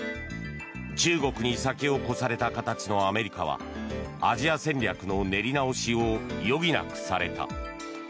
中国に先を越された形のアメリカはアジア戦略の練り直しを余儀なくされた。